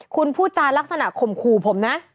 คุณพูดจานลักษณะข่มขู่ผมนะ